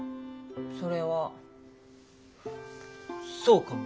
それはそうかも。